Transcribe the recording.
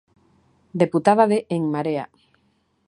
Deputada de En Marea.